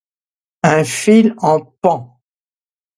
Un fil en pend.